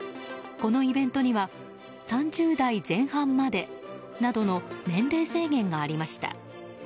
このイベントには３０代前半までなどの年齢制限がありました。